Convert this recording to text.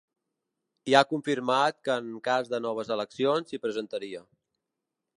I ha confirmat que en cas de noves eleccions s’hi presentaria.